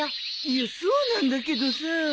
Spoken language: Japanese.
いやそうなんだけどさ。